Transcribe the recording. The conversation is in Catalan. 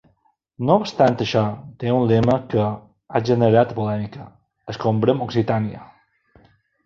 No obstant això, té un lema que ha generat polèmica, ‘Escombrem Occitània’.